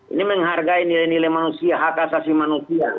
ini menghargai nilai nilai manusia hak asasi manusia